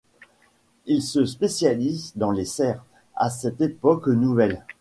Il se spécialise dans les serres, à cette époque nouvelles.